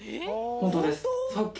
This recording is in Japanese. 本当です。